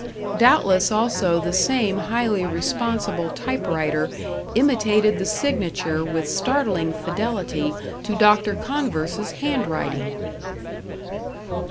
Doubtless also the same highly responsible typewriter imitated the signature with startling fidelity to Dr. Converse's handwriting!